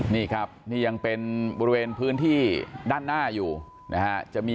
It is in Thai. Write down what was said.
นี่ครับนี่ยังเป็นบริเวณพื้นที่ด้านหน้าอยู่นะฮะ